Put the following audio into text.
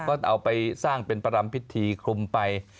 ก็เอาไปสร้างเป็นประรำพิธีคลุมไป